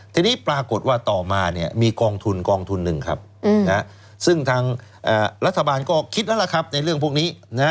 ทีนี้ปรากฏว่าต่อมามีกองทุนกองทุนหนึ่งครับซึ่งทางรัฐบาลก็คิดแล้วล่ะครับในเรื่องพวกนี้